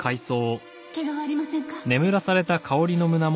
怪我はありませんか？